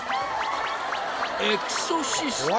「エクソシスト」